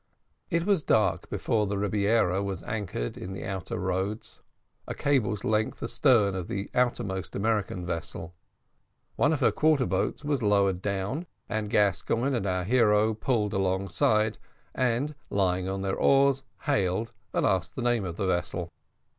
It was dark before the Rebiera was anchored in the outer roads, a cable's length astern of the outermost American vessel. One of her quarter boats was lowered down, and Gascoigne and our hero pulled alongside, and, lying on their oars, hailed, and asked the name of the vessel.